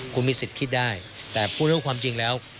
คุณมีสิทธิ์คิดได้แต่พูดเรื่องความจริงแล้ว